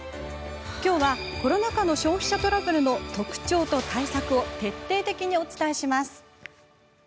きょうは、コロナ禍の消費者トラブルの特徴と対策を徹底的にお伝えします。